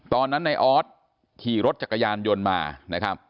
ตอนนั้นในออสขี่รถจักรยานยนต์มานะครับ